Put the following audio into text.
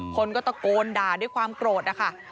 คนก็ตะโกนด่าด้วยความโกรธนะคะ